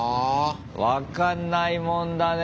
分かんないもんだね。